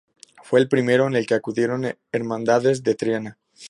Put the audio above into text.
Fue el primero en el que acudieron hermandades de Triana.